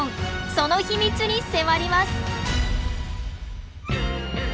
その秘密に迫ります！